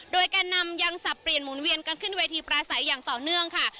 โดยแก่นำยังสับเปลี่ยนหมุนเวียนกันขึ้นเวทีปราศัยอย่างต่อเนื่องค่ะ